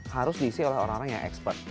harus diisi oleh orang orang yang expert